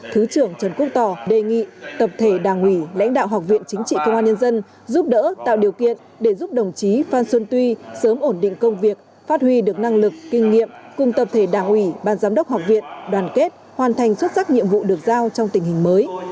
thứ trưởng trần quốc tỏ đề nghị tập thể đảng ủy lãnh đạo học viện chính trị công an nhân dân giúp đỡ tạo điều kiện để giúp đồng chí phan xuân tuy sớm ổn định công việc phát huy được năng lực kinh nghiệm cùng tập thể đảng ủy ban giám đốc học viện đoàn kết hoàn thành xuất sắc nhiệm vụ được giao trong tình hình mới